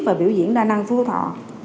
và biểu diễn đa năng phương thọ